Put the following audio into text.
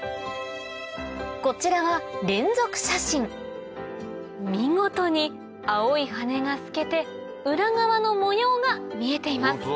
こちらは連続写真見事に青い羽が透けて裏側の模様が見えています